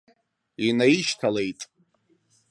Инаишьҭалеит.